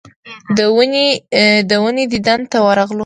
د ونې دیدن ته ورغلو.